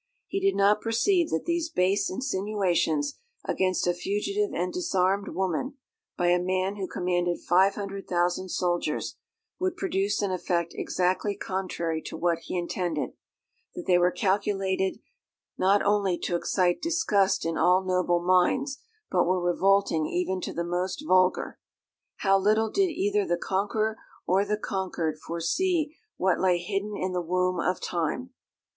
He did not perceive that these base insinuations against a fugitive and disarmed woman, by a man who commanded 500,000 soldiers, would produce an effect exactly contrary to what he intended; that they were calculated not only to excite disgust in all noble minds, but were revolting even to the most vulgar." How little did either the conqueror or the conquered foresee what lay hidden in the womb of time!